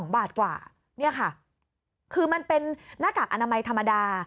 ๒บาทกว่านี่ค่ะคือมันเป็นหน้ากากอนามัยธรรมดา